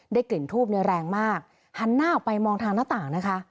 กลิ่นทูบในแรงมากหันหน้าออกไปมองทางหน้าต่างนะคะ